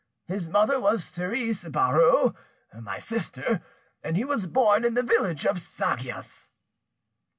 His mother was Therese Barreau, my sister, and he was born in the village of Sagias."